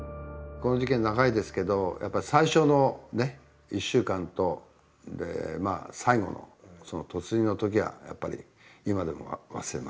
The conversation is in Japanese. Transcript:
この事件長いですけどやっぱり最初の１週間と最後の突入の時はやっぱり今でも忘れませんよね。